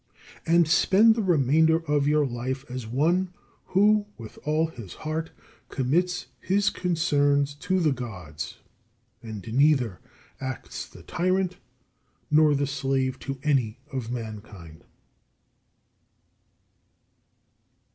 And spend the remainder of your life as one who with all his heart commits his concerns to the Gods, and neither acts the tyrant nor the slave to any of mankind.